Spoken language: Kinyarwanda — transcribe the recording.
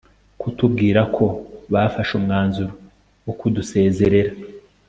kutubwira ko bafashe umwanzuro wo kudusezerera